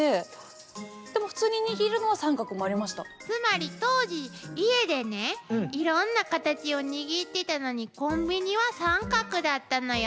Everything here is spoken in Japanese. つまり当時家でねいろんなカタチを握ってたのにコンビニは三角だったのよ。